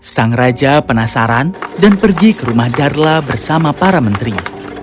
sang raja penasaran dan pergi ke rumah darla bersama para menteri